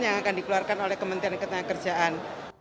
yang akan dikeluarkan oleh kementerian ketenaga kerjaan